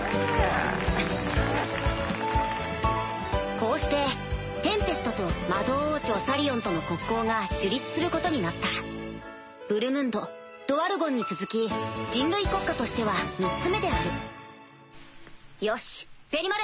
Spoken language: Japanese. こうしてテンペストと魔導王朝サリオンとの国交が樹立することになったブルムンドドワルゴンに続き人類国家としては３つ目であるよしベニマル！